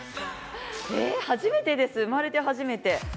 初めてです、生まれて初めて。